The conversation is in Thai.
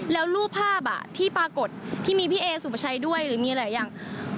แล้วรูปภาพที่ปรากฏที่มีพี่เอสุประชัยด้วยหรือมีหลายอย่าง